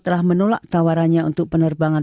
telah menolak tawarannya untuk penerbangan